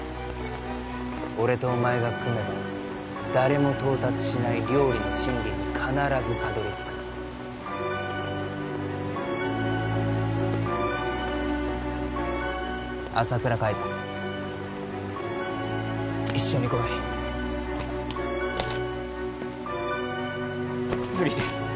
俺とお前が組めば誰も到達しない料理の真理に必ずたどり着く朝倉海だ一緒に来い無理です